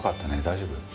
大丈夫？